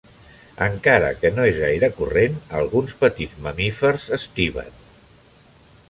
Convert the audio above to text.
Encara que no és gaire corrent, alguns petits mamífers estiven.